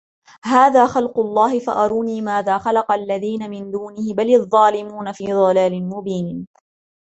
هذا خلق الله فأروني ماذا خلق الذين من دونه بل الظالمون في ضلال مبين